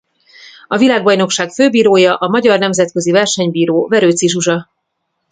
A világbajnokság főbírója a magyar nemzetközi versenybíró Verőci Zsuzsa.